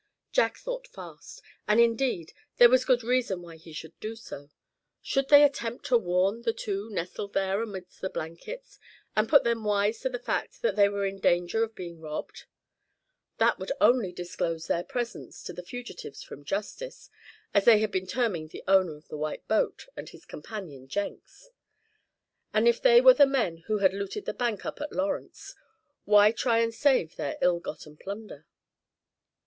Jack thought fast, and indeed, there was good reason why he should do so. Should they attempt to warn the two nestled there amidst the blankets, and put them wise to the fact that they were in danger of being robbed? That would only disclose their presence to the fugitives from justice, as they had been terming the owner of the white boat, and his companion Jenks. And if they were the men who had looted the bank up at Lawrence, why try and save their ill gotten plunder?